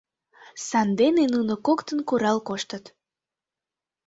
Сандене нуно коктын курал коштыт.